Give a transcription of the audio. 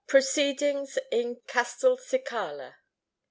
PROCEEDINGS IN CASTELCICALA.